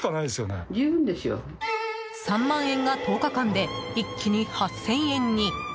３万円が１０日間で一気に８０００円に。